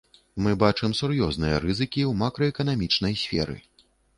Мы бачым сур'ёзныя рызыкі ў макраэканамічнай сферы.